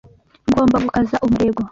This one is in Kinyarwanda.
Ngomba gukaza umurego.